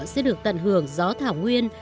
các ngựa sẽ được tận hưởng gió thảo nguyên